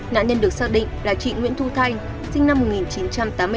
nạn nhân được xác định là chị nguyễn thu thanh sinh năm một nghìn chín trăm tám mươi bốn